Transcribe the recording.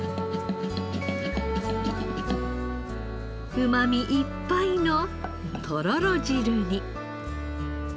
うまみいっぱいのとろろ汁に。